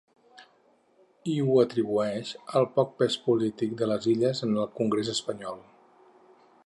I ho atribueix al poc pes polític de les Illes en el congrés espanyol.